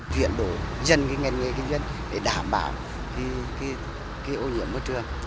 chuyển đổi dân cái nghề nghề kinh doanh để đảm bảo cái ô nhiễm môi trường